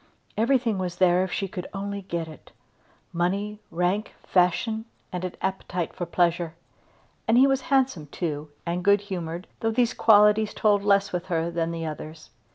Everything was there if she could only get it; money, rank, fashion, and an appetite for pleasure. And he was handsome too, and good humoured, though these qualities told less with her than the others.